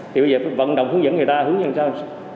thì bây giờ phải vận động hướng dẫn người ta hướng dẫn làm sao